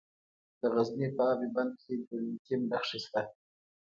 د غزني په اب بند کې د لیتیم نښې شته.